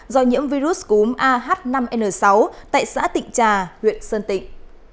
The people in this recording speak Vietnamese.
do nhiễm virus cúm ah năm n sáu tại xã tịnh trà huyện sơn tịnh